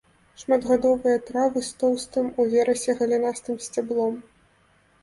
Шматгадовыя травы з тоўстым, уверсе галінастым сцяблом.